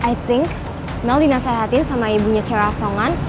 i think mel dinasehatin sama ibunya cewek asongan